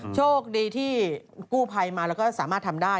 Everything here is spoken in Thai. โชคดีที่กู้ภัยมาแล้วก็สามารถทำได้